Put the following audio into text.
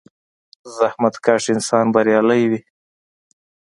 • زحمتکش انسان بریالی وي.